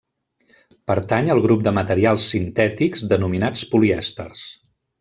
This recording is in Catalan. Pertany al grup de materials sintètics denominats polièsters.